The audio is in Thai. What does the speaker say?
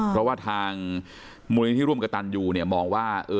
อ๋อเพราะว่าทางมูลินิทร์ร่วมกับตันยูเนี่ยมองว่าเออ